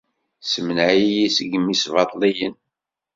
Semneɛ-iyi seg yimesbaṭliyen.